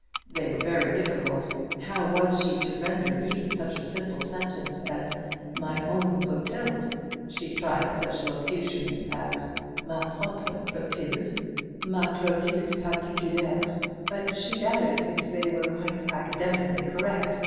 They were very difficult: how was she to render even such a simple sentence as "My own Clotilde?" She tried such locutions as, "Ma propre Clotilde," "Ma Clotilde particulière;" but she doubted if they were quite academically correct.